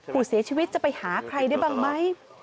ผู้เสียชีวิตจะไปหาใครได้บ้างไหม